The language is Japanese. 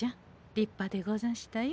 立派でござんしたよ。